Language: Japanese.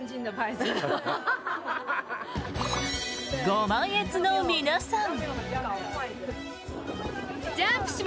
ご満悦の皆さん。